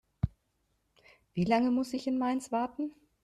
Wie lange muss ich in Mainz warten?